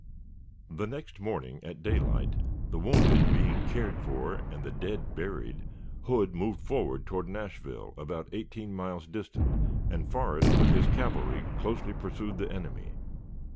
The next morning at daylight, the wounded being cared for and the dead buried, Hood moved forward toward Nashville, about eighteen miles distant, and Forrest with his cavalry closely pursued the enemy.